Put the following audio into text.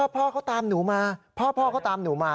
พ่อเขาตามหนูมาพ่อเขาตามหนูมา